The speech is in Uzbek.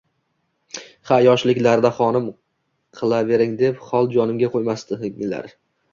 Ha yoshligilarda xonim qibering deb hol-jonimga qo’ymasdinglar...